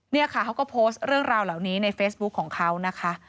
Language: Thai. เนี่ยค่ะเขาก็โพสต์เรื่องราวเหล่านี้ในเฟซบุ๊คของเขานะคะ